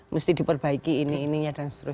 mesti diperbaiki ini ininya dan seterusnya